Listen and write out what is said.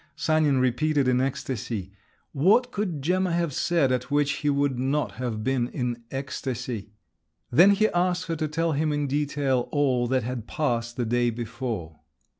Sanin repeated in ecstasy. What could Gemma have said at which he would not have been in ecstasy? Then he asked her to tell him in detail all that had passed the day before.